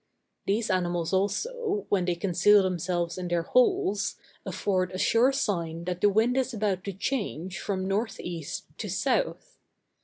These animals also, when they conceal themselves in their holes, afford a sure sign that the wind is about to change from north east to south.